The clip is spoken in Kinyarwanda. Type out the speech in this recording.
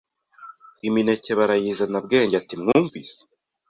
Imineke barayizana Bwenge ati mwumvise